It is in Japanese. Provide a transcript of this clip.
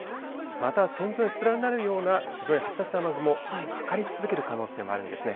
また線状に連なるような非常に発達した雨雲、かかり続ける可能性もあるんですね。